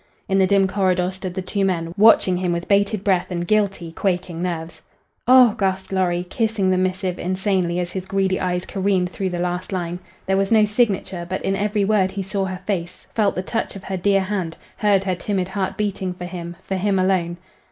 In the dim corridor stood the two men, watching him with bated breath and guilty, quaking nerves. "Oh!" gasped Lorry, kissing the missive insanely as his greedy eyes careened through the last line. There was no signature, but in every word he saw her face, felt the touch of her dear hand, heard her timid heart beating for him for him alone.